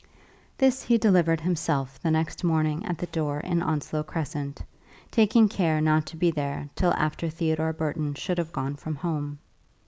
This he delivered himself the next morning at the door in Onslow Crescent, taking care not to be there till after Theodore Burton should have gone from home.